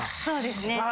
そうですね。